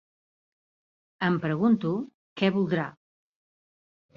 Em pregunto què voldrà?